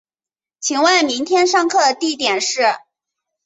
请问明天上课地点是